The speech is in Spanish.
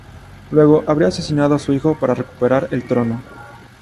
Luego, habría asesinado a su hijo para recuperar el trono.